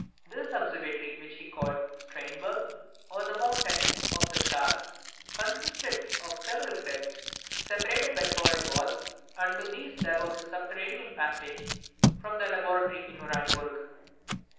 This observatory, which he called Stiern berg, or the mountain, of the stars, consisted of several crypts, separated by solid walls, and to these there was a subterranean passage from the laboratory in Uraniburg.